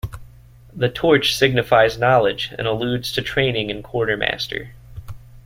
The torch signifies knowledge and alludes to training in Quartermaster.